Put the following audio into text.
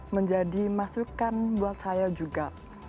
menjadi masukan buat saya juga